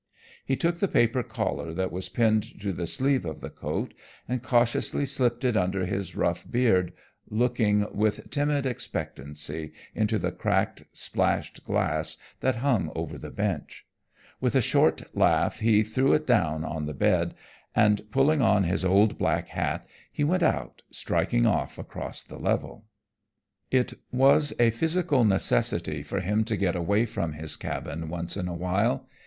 He took the paper collar that was pinned to the sleeve of the coat and cautiously slipped it under his rough beard, looking with timid expectancy into the cracked, splashed glass that hung over the bench. With a short laugh he threw it down on the bed, and pulling on his old black hat, he went out, striking off across the level. It was a physical necessity for him to get away from his cabin once in a while.